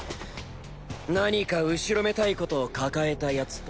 何か後ろめたいことを抱えた奴と。